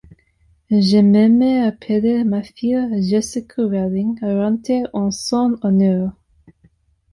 J'ai même appelé ma fille Jessica Rowling Arantes en son honneur.